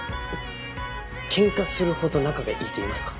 ケンカするほど仲がいいといいますか。